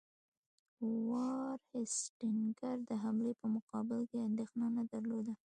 وارن هیسټینګز د حملې په مقابل کې اندېښنه نه درلوده.